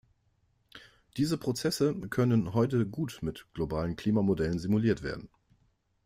Diese Prozesse können heute gut mit globalen Klimamodellen simuliert werden.